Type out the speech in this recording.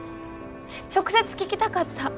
直接聞きたかった。